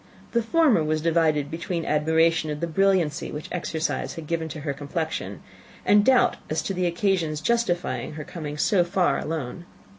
The former was divided between admiration of the brilliancy which exercise had given to her complexion and doubt as to the occasion's justifying her coming so far alone.